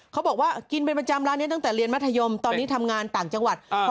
เขาบอกว่ากินเป็นประจำร้านนี้ตั้งแต่เรียนมัธยมตอนนี้ทำงานต่างจังหวัด